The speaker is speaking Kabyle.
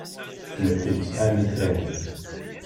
Medden sɛan ifranen.